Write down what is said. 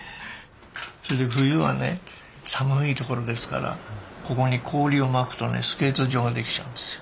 それで冬はね寒い所ですからここに氷をまくとねスケート場ができちゃうんですよ。